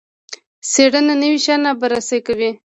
څیړنه نوي شیان رابرسیره کوي